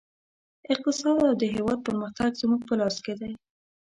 اقتصاد او د هېواد پرمختګ زموږ په لاس کې دی